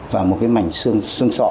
và một cái mảnh sương sọ